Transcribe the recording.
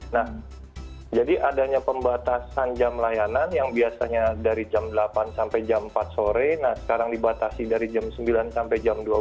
nah jadi adanya pembatasan jam layanan yang biasanya dari jam delapan sampai jam empat sore nah sekarang dibatasi dari jam sembilan sampai jam dua belas